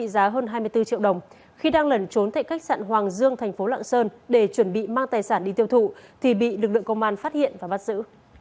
khi đang lẩn trốn tại khách sạn hoàng dương thành phố lạng sơn để chuẩn bị mang tài sản đi tiêu thụ thì bị lực lượng công an phát hiện và bắt giữ